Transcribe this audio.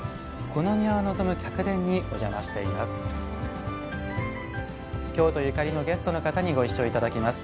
この庭を望む客殿にお邪魔しています。